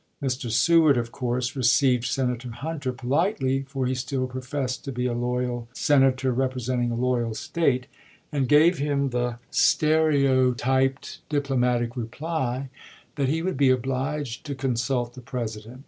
ms. Mr. Seward, of course, received Senator Hunter politely, for he still professed to be a loyal Senator representing a loyal State, and gave him the stereo Vol. III.— 26 402 ABRAHAM LINCOLN ch. xxiv. typed diplomatic reply, that " he would be obliged to consult the President."